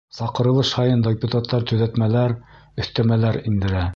Саҡырылыш һайын депутаттар төҙәтмәләр, өҫтәмәләр индерә.